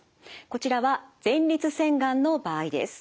こちらは前立腺がんの場合です。